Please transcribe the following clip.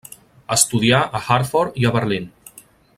Estudià a Hartford i a Berlín.